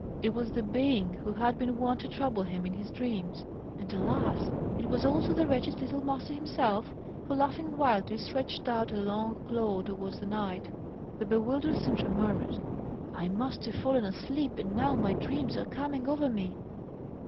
It was the being who had been wont to trouble him in his dreams; and, alas! it was also the wretched little Master himself, who, laughing wildly, stretched out a long claw towards the knight. The bewildered Sintram murmured, "I must have fallen asleep; and now my dreams are coming over me!"